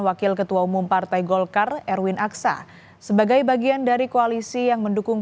wakil ketua umum partai golkar erwin aksa sebagai bagian dari koalisi yang mendukung